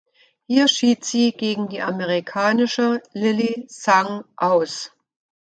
Hier schied sie gegen die amerikanische Lily Zhang aus.